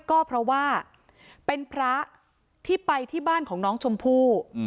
ก็เพราะว่าเป็นพระที่ไปที่บ้านของน้องชมพู่